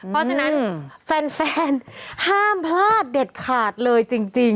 เพราะฉะนั้นแฟนห้ามพลาดเด็ดขาดเลยจริง